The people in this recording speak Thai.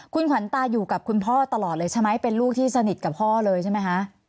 คุณขวัญตาอยู่กับคุณพ่อตลอดเลยใช่ไหมเป็นลูกที่สนิทกับพ่อเลยใช่ไหมคะ